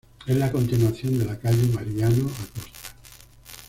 Es la continuación de la "Calle Mariano Acosta".